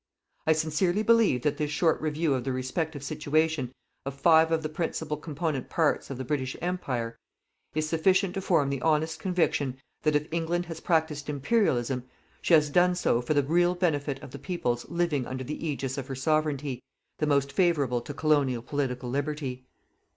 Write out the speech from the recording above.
I sincerely believe that this short review of the respective situation of five of the principal component parts of the British Empire, is sufficient to form the honest conviction that if England has practised Imperialism, she has done so for the real benefit of the peoples living under the ægis of her Sovereignty, the most favourable to colonial political liberty.